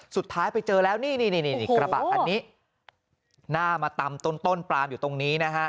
สุดท้ายไปเจอแล้วนี่นี่กระบะคันนี้หน้ามาตำต้นปลามอยู่ตรงนี้นะฮะ